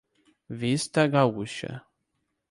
Vista Gaúcha